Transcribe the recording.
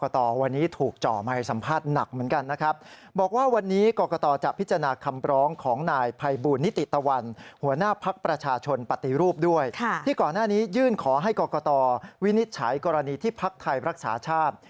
ที่ก่อนหน้านี้ยื่นขอให้กรกตวินิจฉัยกรณีที่พักไทยรักษาชาติ